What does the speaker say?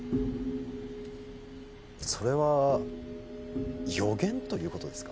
それは予言ということですか